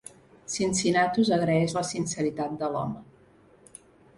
Cincinnatus agraeix la sinceritat de l'home.